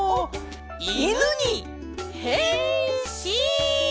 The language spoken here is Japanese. いぬにへんしん！